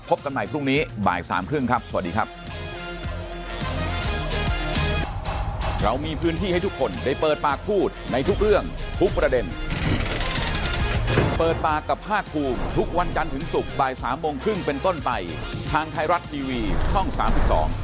กันใหม่พรุ่งนี้บ่ายสามครึ่งครับสวัสดีครับ